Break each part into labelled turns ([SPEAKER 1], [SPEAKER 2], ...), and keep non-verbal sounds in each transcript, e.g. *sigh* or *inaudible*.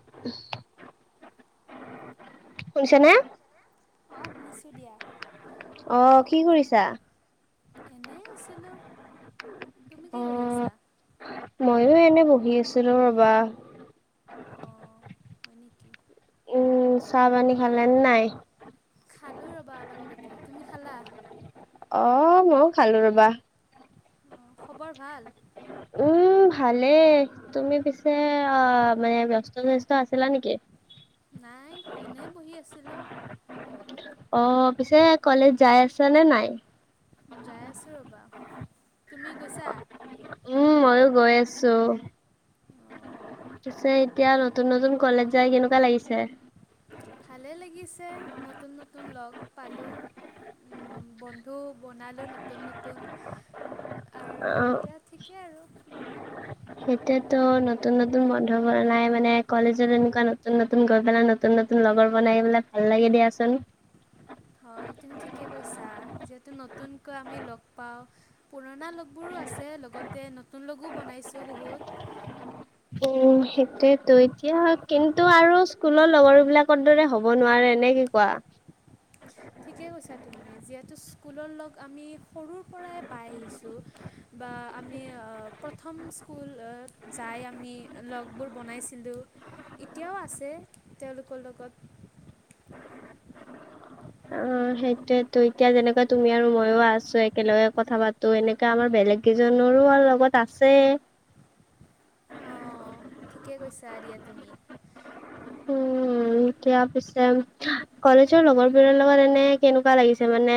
[SPEAKER 1] *inaudible* শুনিছানে?
[SPEAKER 2] অ' শুনিছোঁ দিয়া।
[SPEAKER 1] অ' কি কৰিছা?
[SPEAKER 2] এনে আছিলো তুমি কি কৰি
[SPEAKER 1] অ',
[SPEAKER 2] আছা?
[SPEAKER 1] ময়ো এনে বহি আছিলো ৰবা।
[SPEAKER 2] অ' হয় নেকি?
[SPEAKER 1] উম, চাহ পানী খালে নে নাই?
[SPEAKER 2] খালো ৰ'বা অলপ আগতে তুমি খালা?
[SPEAKER 1] অ ময়ো খালো ৰবা।
[SPEAKER 2] খবৰ ভাল?
[SPEAKER 1] উম। উ ভালেই তুমি পিছে অ মানে ব্যস্ত স্যস্ত আছিলা নেকি? *unintelligible*
[SPEAKER 2] নাই এনেই বহি আছিলোঁ।
[SPEAKER 1] অ' পিছে কলেজ যাই আছা নে নাই?
[SPEAKER 2] যাই আছো ৰ'বা তুমি গৈছা?
[SPEAKER 1] উম, ময়ো গৈ আছো।
[SPEAKER 2] অঁ
[SPEAKER 1] পিছে এতিয়া
[SPEAKER 2] হয়।
[SPEAKER 1] নতুন নতুন কলেজ যাই কেনেকুৱা লাগিছে?
[SPEAKER 2] ভালে লাগিছে নতুন নতুন লগ পালো। উম উম, বন্ধু বনালোঁ নতুন নতুন। আৰু
[SPEAKER 1] অ'
[SPEAKER 2] এতিয়া ঠিকেই আৰু।
[SPEAKER 1] এতিয়াতো নতুন নতুন বন্ধু বনাই মানে কলেজত এনেকুৱা নতুননতুন গৈ পেলাই নতুন নতুন লগৰ বনাই পেলাই ভাল লাগে দিয়াচোন।
[SPEAKER 2] হয় তুমি ঠিকে কৈছা যিহেতু নতুনকৈ আমি লগ পাওঁ। পুৰণা বোৰো আছে লগতে নতুন লগো বনাইছোঁ বহুত।
[SPEAKER 1] উম। সেইটোৱেতো, এতিয়া কিন্তু আৰু স্কুলৰ লগৰ বিলাকৰ দৰে হ'ব নোৱাৰে এনে কি কোৱা? *inaudible*
[SPEAKER 2] ঠিকেই কৈছা তুমি যিহেতু স্কুলৰ লগ আমি সৰুৰ পৰাই পাই আহিছোঁ বা বা আমি আ প্ৰথম স্কুল অ যাই আমি লগবোৰ বনাইছিলোঁ। এতিয়াও আছে তেওঁলোকৰ লগত।
[SPEAKER 1] *inaudible* অ' সেইটোৱেতো এতিয়া যেনেকােৱা তুমি আৰু মইও আছো একেলগে কথা পাতো এনেকা আমাৰ বে বেলেগ কেইজনৰো আৰু লগত আছে
[SPEAKER 2] অঁ ঠিকে কৈছা দিয়া তুমি
[SPEAKER 1] উম। উ দতিয়া পিছে কলেজৰ লগৰ বোৰৰ লগত এনে কেনেকুৱা লাগিছে মানে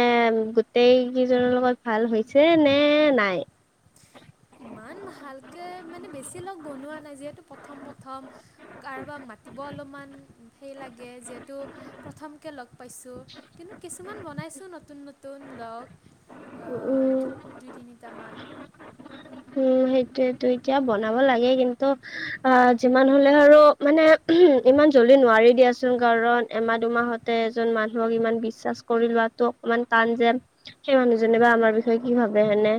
[SPEAKER 1] গোটেইকেইজনৰ লগত ভাল হৈছে নে নাই?
[SPEAKER 2] ইমান ভালকৈ মানে বেছি লগ বনোৱা নাই যিহেতু প্ৰথম, প্ৰথম কাৰোবাক মাতিব অলপমান সেই লাগে যিহেতু প্ৰথমকে পাইছোঁ কিন্তু কিছুমান বনাইছোঁ নতুন নতুন লগ
[SPEAKER 1] উম,
[SPEAKER 2] দুই তিনিটামান
[SPEAKER 1] উম সেইটোৱেটো এতিয়া বনাব লাগে কিন্তু অহঁ যিমান হলে আৰু মানে ইমান জল্দি নোৱাৰি দিয়াচোন কাৰণ এমাহ দুমাহতে এজন মানুহক ইমান বিশ্বাস কৰি লোৱাতটো ইমান টান যেন, সেই মানুহজনে বা আমাৰ বিষয়ে কি ভাবে হেনে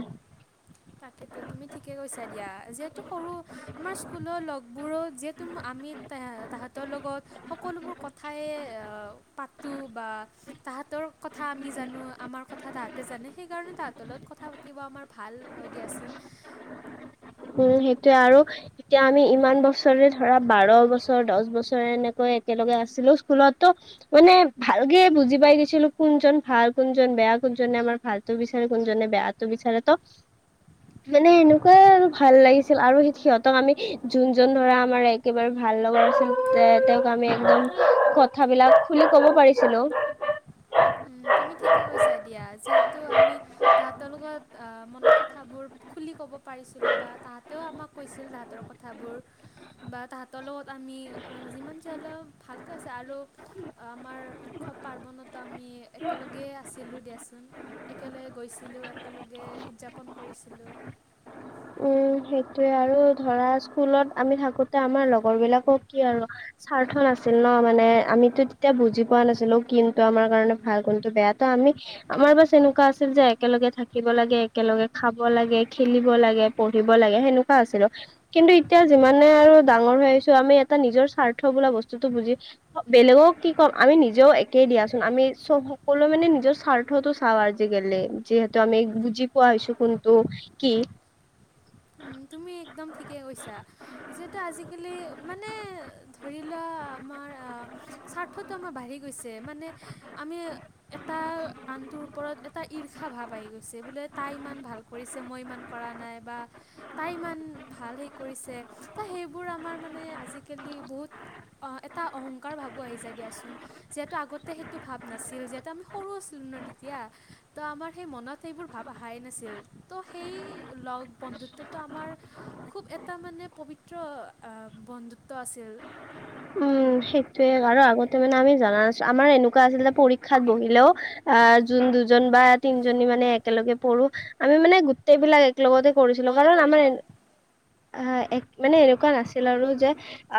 [SPEAKER 2] এইটো তুমি ঠিকে কৈছা দিয়া যিহেতু সৰু আহ আমাৰ স্কুলৰ লগ বোৰত যিহেতু আমি তাহাঁতৰ লগত সকলোবোৰ কথাই তেওঁ পাতোঁ বা *unintelligible* তাহাঁতৰ কথা আমি জানো আমাৰ কথা তাহাঁতে জানে সেই কাৰণে তাহাঁতৰ লগত কথা পা কিবা আমাৰ ভাল হয় দিয়াচোন।
[SPEAKER 1] *inaudible* উম, সেইটোয়ে আৰু এতিয়া আমি ইমান বছৰে ধৰা বাৰো বছৰ দশ বছৰে এনে আকৌ একেলগে আছিলো স্কুলতো মানে ভালকে বুজি পাই গেছিলো কোনজন ভাল কোনজন বেয়া কোনজনে আমাৰ ভালতটো বিচাৰে, কোনজনে বেয়াটো বিচাৰে তো মানে এনেকুৱাই আৰু ভাল লাগিছিল আৰু স সিহঁতক আমি যোনজন ধৰা আমাৰ একেবাৰে ভাল লগৰ তেওঁক আমি একদম কথাঁ বিলাক খুলি ক'ব পাৰিছিলো। উ *unintelligible*
[SPEAKER 2] তুমি ঠিকে কৈছা দিয়া যিহেতু আমি তাহতৰ লগত মনৰ কথা বোৰ ক'ব পাৰিছিলো বা তাহাঁতেও আমাক কৈছিল তাহঁতৰ কথাবোৰ বা তাঁহতৰ লগত আমি যিমান যিলেও ভালকৈ আছে আৰু আমাৰ উৎসৱ পাৰ্বণতো আমি একেলগেই আছিলোঁ দিয়াচোন একেলগে গৈছিলোঁ এক একেলগে উদযাপন কৰিছিলোঁ
[SPEAKER 1] উম সেইটোৱে আৰু ধৰা স্কুলত আমি থাকোতে আমাৰ লগৰ বিলাকক কি আৰু স্বাৰ্থ নাছিল ন মানে আমিতো তেতিয়া বুজি পোৱা নাছিলো, কিন্তু আমাৰ কাৰণে ভাল কোনটো বেয়াতো আ আমি আমাৰ বাছ এনেকুৱা আছিল যে একেলগে থাকিব লাগে, একেলগে খাব লাগে, খেলিব লাগে। পঢ়িব লাগে সেনেকুৱা আছিলো কিন্তু এতিয়া যিমানে আৰু ডাঙৰ হৈ আহিছো আমি এটা নিজৰ স্বাৰ্থ বোলা বস্তুতটো বুজি বেলেগক কি ক'ম আমি নিজেও একে দিয়াচোন আমি চব সকলোৱে মানে নিজৰ স্বাৰ্থতো চাওঁ আজি কালি যিহেতু আমি বুজি পোৱা হৈছো কিন্তু কি
[SPEAKER 2] উম, তুমি একদম ঠিকে কৈছা, যিহেতু আজিকালি মানে ধৰিলোৱা আমাৰ আমাৰ আ স্বাৰ্থটো আমাৰ বাঢ়ি গৈছে মানে আমি এটা আন ওপৰত এটা ঈৰ্ষা ভাৱ আহি গৈছে বোলে তাই ইমান ভাল কৰিছে মই ইমান কৰা নাই বা তাই ইমান ভাল হে কৰিছে তাই সেইবোৰ আমাৰ মানে আজিকালি বহুত অ, এটা অহংকাৰ ভাবো আহি যায় দিয়াচোন যিহেতু আগতে সেইটো ভাৱ নাছিল যিহেতু আমি সৰু আছিলো। ন দিতিয়া ত আমাৰ সেই মনত সেইবোৰ ভাব আহাই নাছিল ত সেই লগ বন্ধুত তেতিয়া আমাৰ খুব এটা মানে পবিত্ৰ বন্ধুত্ব আছিল।
[SPEAKER 1] উম উম, সেইটোৱে আৰু আগতে মানে আমি জানা নাছিলো আমাৰ এনেকুৱা আছিল যে পৰীক্ষাত বহিলেও আ যো যোন দুজন বা তিনজনী মানে একেলগে পঢ়ো আমি মানে গোটেইবিলাক এক লগতে কৰিছিলো
[SPEAKER 2] লগতে
[SPEAKER 1] কাৰণ আমাৰ
[SPEAKER 2] কৰিছিলোঁ
[SPEAKER 1] এনে অ এক মানে এনেকুৱা নাছিল আৰু যে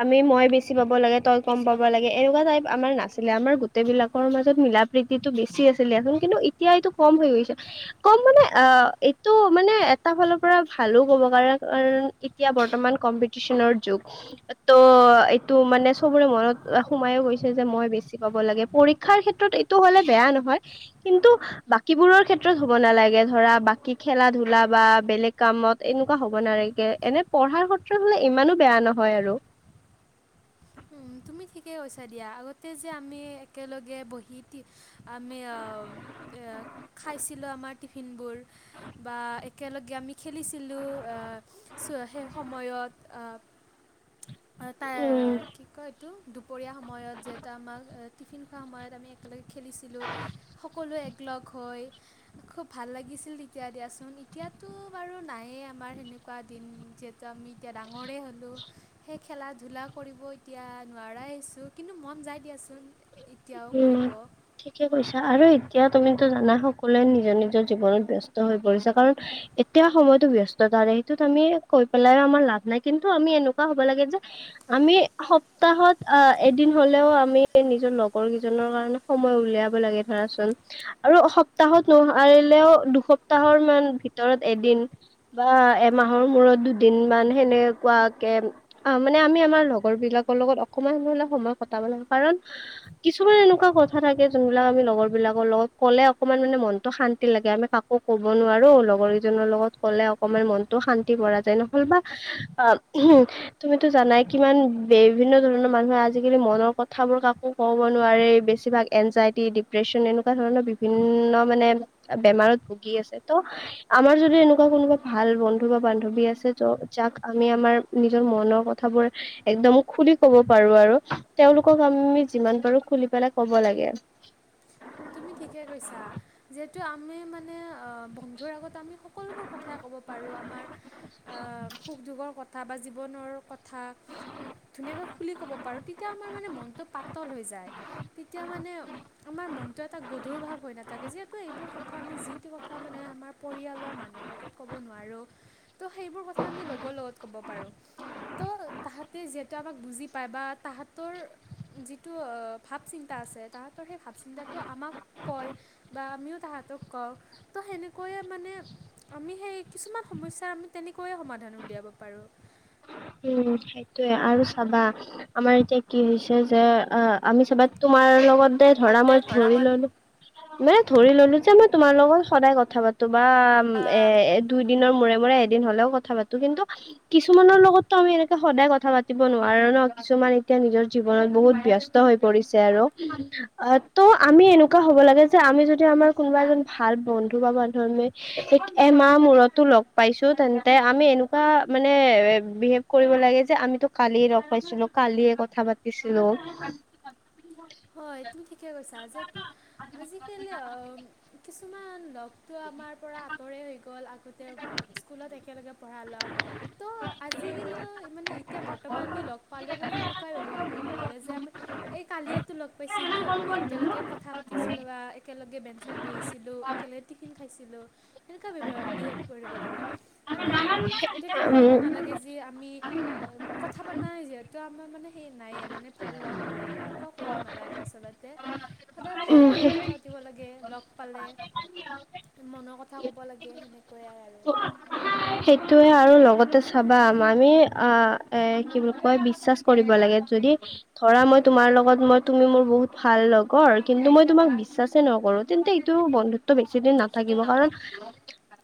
[SPEAKER 1] আমি মই বেছি পাব লাগে তই গম
[SPEAKER 2] বেছি
[SPEAKER 1] পাব
[SPEAKER 2] বাবদ
[SPEAKER 1] লাগে এনেকুৱা টাইপ আমাৰ নাথাকে আমাৰ গোটেই বিলাকৰ মাজত মিলা প্ৰীতিটো বেছি আছিলেোন কিন্তু এতিয়া এইটো কম হৈ গৈছে কম মানে আ এইটো মানে এটা ফালৰ পৰা ভালো কব কাৰ কাৰণ এতিয়া বৰ্তমান কম কম্পিটিছনৰ যুগ টো এইটো মানে চবৰে মনত সোমাইয়ো গৈছে যে মই বেছি পাব লাগে পৰীক্ষাৰ ক্ষেত্ৰত এইটো হলে বেয়া নহয় কিন্তু বাকীবোৰৰ ক্ষেত্ৰত হ'ব নালাগে ধৰা বাকী খেলা ধূলা বা বেলেগ কামত এনে এনেকুৱা হব নালাগে এনে পঢ়াৰ সত্ৰ হলে ইমানো বেয়া নহয় আৰু
[SPEAKER 2] তুমি ঠিকে কৈছা দিয়া আগতে যে আমি একেলগে বহি আমি অ এয়া খাইছিলোঁ আমাৰ টিফিনবোৰ বা একেলগে আমি খেলিছিলোঁ এইটো আ উস্ চোৱা সেই সময়ত আ চুচ অহ তাই
[SPEAKER 1] উম
[SPEAKER 2] কি *unintelligible* এইটো দুপৰীয়া সময়ত যিহেতু আমাক টিফিন খোৱা সময়ত আমি একেলগে খেলিছিলোঁ সকলো এক লগ হৈ খুব ভাল লাগিছিল তেতিয়া দিয়াচোন এতিয়াতো বাৰু নাইয়ে আ আমাৰ সেনেকুৱা দিন যিহেতু আমি এতিয়া ডাঙৰেই হ'লোঁ সেই খেলা ধূলা কৰিবই এতিয়া নোৱাৰাই আহিছোঁ কিন্তু মন যায় দিয়াচোন। এতিয়াও
[SPEAKER 1] উম
[SPEAKER 2] কৰিব
[SPEAKER 1] ঠিকে কৈছা আৰু এতিয়া তুমিতো জানাই সকলোৱে নিজৰ নিজৰ জীৱনত ব্যস্ত হৈ পৰিছে কাৰণ এতিয়া সময়তো ব্যস্ততাৰে সেইটোত আমি কৈ পেলাই আমাৰ লাভ নাই কিন্তু আমি এনেকুৱা হ'ব লাগে যে আমি সপ্তাহত অ এদিন হলেও আমি নিজৰ লগ লগৰ কেইজনৰ কাৰণে সময় উলিয়াব লাগে ধৰাচোন আৰু সপ্তাহত নোৱাৰিলেও দুসপ্তাহ সপ্তাহৰ মান ভিতৰত এদিন বা এমাহৰ মূৰত দুদিন মান সেনেকুৱা কে অ মানে আমি আমাৰ লগৰ বিলাকৰ লগত অকমান হলে সময় কটাব লাগে। কাৰণ কিছুমান এনেকুৱা কথা থাকে যোনবিলাক আমি লগৰবিলাকৰ লগত ক'লে অকণমান মানে মনটো শান্তি লাগে। আমি কাকো ক'ব নোৱাৰো লগৰ কেইজনৰ লগত ক'লে অকমান মনতো শান্তি পৰা যায় নহ'লবা অ উম তুমিতো জানাই কিমান বিভিন্ন ধৰণৰ মানুহে আজিকালি মনৰ কথাবোৰ কাকো কব নোৱাৰি বেছিভাগ এনজাইটি ডিপ্ৰেচন এনেকুৱা ধৰণৰ বিভিন্ন মানে বেমাৰত ভুগি আছে ত আমাৰ যদি এনেকুৱা কোনোবা ভাল বন্ধু বা বান্ধৱী আছে ত যাক আমি আমাৰ নিজৰ মনৰ কথাবোৰ একদম খুলি কব পাৰো আৰু তেওঁলোকক আমি যিমান পাৰো খুলি পেলাই ক'ব লাগে।
[SPEAKER 2] তুমি ঠিকে কৈছা যিহেতু আমি মানে বন্ধুৰ আগত আমি সকলোবোৰ কথাই ক'ব পাৰোঁ আমাৰ সুখ দুখৰ কথা কথা বা জীৱনৰ কথা ধুনীয়াকৈ খুলি ক'ব পাৰোঁ। তেতিয়া আমাৰ মানে মনটো পাতল হৈ যায়। য়ায় তেতিয়া মানে আমাৰ মন এইটো এটা গধুৰ ভাৱ হৈ নাথাকে। যিহেতু এইবোৰ কথা আমি যিটো কথা মানে আমাৰ পৰিয়ালৰ মানুহৰ লগত ক'ব কব নোৱাৰো তোসেইবোৰ কথা আমি লগৰ লগত ক'ব পাৰো
[SPEAKER 1] *inaudible*
[SPEAKER 2] তাহাতি যিহেতু আমাক বুজি পায় বা তাহাঁতৰ যিটো ভাৱ চিন্তা আছে তাহতৰ সেই ভাৱ চিন্তা তো আমাক কয় বা আমিও তাহাঁতক কওঁ তো সেনেকৈয়ে মানে আমি সেই কিছুমান সমস্যাৰ আমি তেনেকৈয়ে সমাধান উলিয়াব পাৰোঁ
[SPEAKER 1] উম সেইটোয়ে আৰু চাবা আমাৰ এতিয়া কি হৈছে যে অ আমি চাবা তোমাৰ তোমাৰ লগত ধৰা মই ধৰি ললো মানে ধৰি ললো যে মই তোমাৰ লগত সদায় কথা পাতো। নতুবা এ
[SPEAKER 2] মই
[SPEAKER 1] দুইদিনৰ মূৰে মূৰে এদিন হ'লেও কথা পাতো কিন্তু কিছুমানৰ লগত ত আমি এনেকে সদায় কথা পাতিব নোৱাৰো ন কিছুমান এতিয়া নিজৰ জীৱনত বহুত ব্যস্ত হৈ পৰিছে আৰু। অ' ত' আমি এনেকুৱা হ'ব লাগে যে আমি যদি আমাৰ কোনোবা এজন ভাল বন্ধু বা বান্ধৱী কোনে এমাহ মূৰতো লগ পাইছো তেন্তে আমি এনেকুৱা মানে বিহেভ কৰিব লাগে যে আমিতো কালিয়ে লগ পাইছিলো কালিয়ে কথা পাতিছিলো
[SPEAKER 2] হয়, তুমি ঠিকে কৈছা যিহেতু আজিকালি অ' কিছুমান লগ আমাৰ পৰা আঁতৰে হৈ গল আগতে স্কুলত একেলগে পঢ়া লগ ত' আজিকালিও মানে এতিয়া বৰ্তমান আমি লগ পালেও মানে সেনেকুৱাই ব্যৱহাৰ কৰি কেনেকুৱা লাগে যে এই কালি লগ পাইছিলো আমি একেলগে কথা পাতিছিলো বা একেলগে বেঞ্চচত বহিছিলো একেলগে টিফিন খাইছিলোঁ তেনেকুৱা বিহেভ কৰিব লাগে মানে এনেকুৱা কৰিব
[SPEAKER 1] উম
[SPEAKER 2] নালাগে যি আমি কথা পাতা নাই যিহেতু তো আমাৰ মানে সেই নায়েই মানে ভাল লগ নায়েই। সেনেকুৱা কৰিব নালাগে আচলতে। সদায় ভালদৰে
[SPEAKER 1] উম
[SPEAKER 2] কথা পাতিব লাগে। লগ পালে মনৰ কথা ক'ব লাগে। সেইয়াই আৰু।
[SPEAKER 1] সেইটোৱে আৰু লগতে চাবা আমি আহ এ কি বুলি কয় বিশ্বাচ কৰিব লাগে। যদি ধৰা মই তোমাৰ লগত মই তুমি মোৰ বহুত ভাল লগৰ, কিন্তু মই তোমাক বিশ্বাচে নকৰো কৰো তেন্তে এইটো বন্ধুত্ব বেছি দিন নাথাকিব। কাৰণ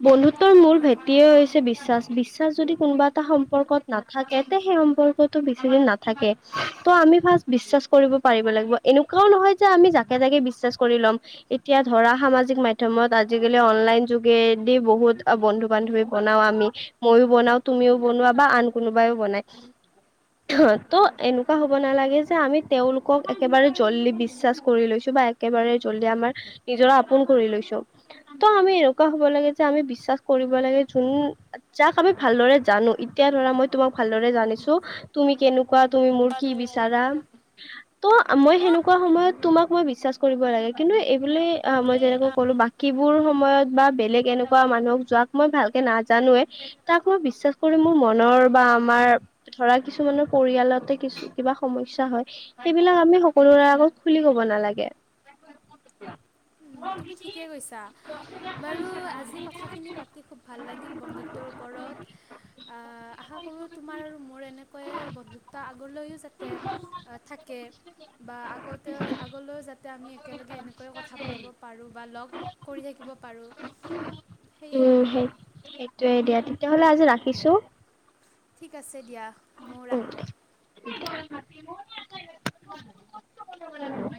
[SPEAKER 1] বন্ধুত্বৰ মূল
[SPEAKER 2] হয় তুমি
[SPEAKER 1] ভেটিয়ে হৈ বিশ্বাচ, বিশ্বাচ যদি কোনোবা এটা সম্পৰ্কত নাথাকে তে সেই সম্পৰ্কটো বেছিদিন নাথাকে। ত আমি ফাৰ্ষ্ট বিশ্বাচ কৰিব পাৰিব লাগিব। এনেকুৱাও নহয় যে আমি যাকে তাকে বিশ্বাস কৰি ল'ম। এতিয়া ধৰা সামাজিক মাধ্যমত আজিকালি অনলাইন যোগেদি বহুত বন্ধু বান্ধৱী বনাও আমি। মইও বনাও, তুমিও বনোৱা বা আন কোনোবাইও বনাই। ত এনেকুৱা হব নালাগে যে আমি তেওঁলোকক একেবাৰে জল্দি বিশ্বাচ কৰি লৈছো বা একেবাৰে জলদি আমাৰ নিজৰ আপোন কৰি লৈছো। ত আমি এনেকুৱা হব লাগে যে আমি বিশ্বাচ কৰিব লাগে যোন যাক আমি ভালদৰে জানো। এতিয়া ধৰা মই তোমাক ভালদৰে জানিছো তুমি কেনেকু কোৱা, তুমি মোৰ কি
[SPEAKER 2] তুমি মোৰ
[SPEAKER 1] বিচাৰা? ত' মই
[SPEAKER 2] ত
[SPEAKER 1] সেনেকুৱা সময়ত তোমাক মই বিশ্বাচ কৰিব লাগে, কিন্তু এ ই বুলি অ' মই
[SPEAKER 2] বোলে
[SPEAKER 1] যেনেকৈ ক'লো বাকী বোৰ সময়ত বা বেলেগ এনেকুৱা মানুহক যাক মই ভাল নাজানোৱে তাক মই বিশ্বাচ কৰি মোৰ মনৰ বা আমাৰ ধৰা কিছুমানৰ পৰিয়ালৰ কিবা সমস্যা হয় সেইবিলাক আমি সকলোৰে আগত খুলি কব নালাগে। *inaudible*
[SPEAKER 2] তুমি ঠিকে কৈছা। বাৰু আজি কথাখিনি পাতি খুব ভাল লাগিল বন্ধুত্বৰ ওপৰত আশা কৰোঁ তোমাৰ আৰু মোৰ এনেকৈ বন্ধুত্ব আগলৈও যাতে থাকে। থাকে বা আগতে আগলৈও যাতে আমি একেলগে এনেকৈ পাৰো বা লগ কৰি থাকিব পাৰো। সেয়ে আৰু।
[SPEAKER 1] সেইটোৱে দিয়া। তেতিয়াহলে আজি ৰাখিছো?
[SPEAKER 2] ঠিক আছে দিয়া। ময়ো
[SPEAKER 1] উম
[SPEAKER 2] ৰাখোঁ।
[SPEAKER 1] *unintelligible*